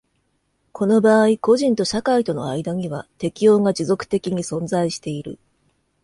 この場合個人と社会との間には適応が持続的に存在している。